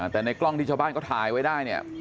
แต่ในกล้องที่ชาวบ้านเขาถ่ายไว้ได้เนี่ย